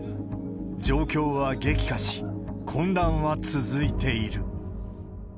状況は激化し、混乱は続いている。